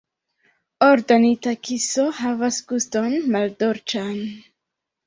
Ordonita kiso havas guston maldolĉan.